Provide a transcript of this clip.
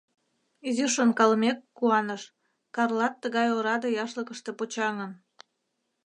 Изиш шонкалымек, куаныш: Карлат тыгай ораде яшлыкыште почаҥын!